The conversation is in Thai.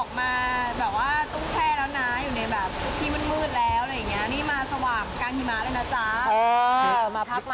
ไม่ได้ออกมาแบบว่าต้องแช่แล้วนะ